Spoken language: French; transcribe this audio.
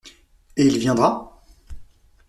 Et il viendra ?